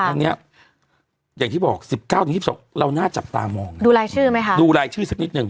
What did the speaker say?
ครั้งเนี้ยอย่างที่บอก๑๙๒๒เราน่าจับตามองดูรายชื่อไหมคะดูรายชื่อสักนิดหนึ่ง